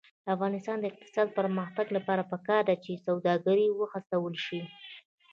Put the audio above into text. د افغانستان د اقتصادي پرمختګ لپاره پکار ده چې سوداګر وهڅول شي.